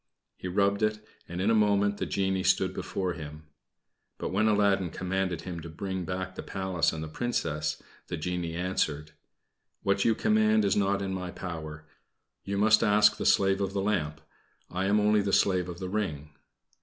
He rubbed it, and in a moment the genie stood before him. But when Aladdin commanded him to bring back the Palace and the Princess, the genie answered "What you command is not in my power. You must ask the slave of the lamp. I am only the slave of the ring."